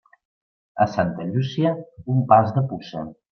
A Santa Llúcia, un pas de puça.